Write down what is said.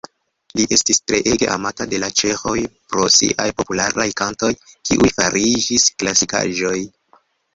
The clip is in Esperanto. Li estis treege amata de la ĉeĥoj pro siaj popularaj kantoj, kiuj fariĝis klasikaĵoj.